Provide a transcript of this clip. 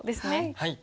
はい。